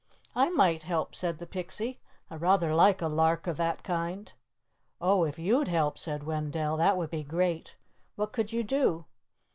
"I might help," said the Pixie. "I rather like a lark of that kind." "Oh, if you'd help," said Wendell. "That would be great. What could you do?"